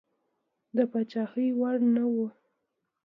د پاچهي وړ نه وو.